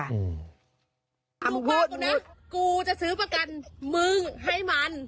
ถ้าคุณบอกกัแต่นะคุณจะซื้อประกันของคุณมัน